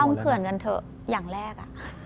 ส่อมเขือนกันเถอะอย่างแรก